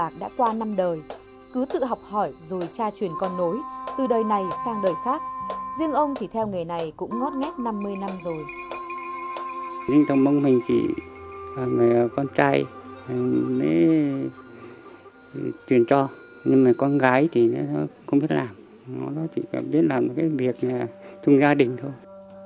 chúng mình chỉ là người con trai mới truyền cho nhưng mà con gái thì nó không biết làm nó chỉ biết làm việc chung gia đình thôi